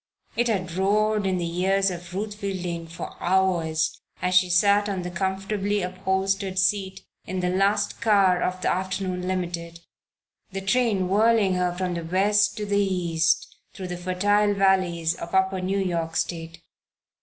It had roared in the ears of Ruth Fielding for hours as she sat on the comfortably upholstered seat in the last car of the afternoon Limited, the train whirling her from the West to the East, through the fertile valleys of Upper New York State.